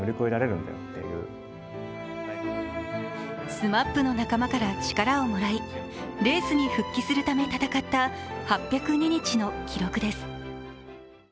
ＳＭＡＰの仲間から力をもらい、レースに復帰するため闘った８０２日の記録です。